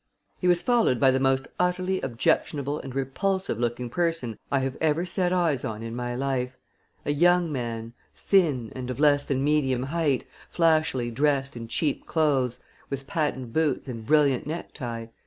He was followed by the most utterly objectionable and repulsive looking person I have ever set eyes on in my life a young man, thin, and of less than medium height, flashily dressed in cheap clothes, with patent boots and brilliant necktie.